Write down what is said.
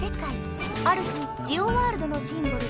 ある日ジオワールドのシンボル